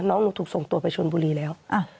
น้องหนูถูกส่งตัวไปชนบุรีแล้ว